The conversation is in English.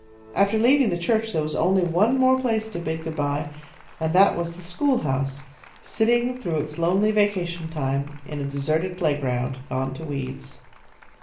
After leaving the church there was only one more place to bid good bye, and that was the schoolhouse sitting through its lonely vacation time in a deserted playground, gone to weeds.